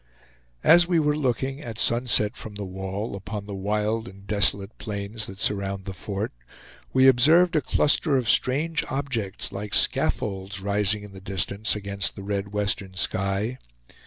As we were looking, at sunset, from the wall, upon the wild and desolate plains that surround the fort, we observed a cluster of strange objects like scaffolds rising in the distance against the red western sky.